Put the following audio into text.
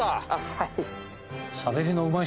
はい。